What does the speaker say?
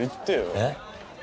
えっ？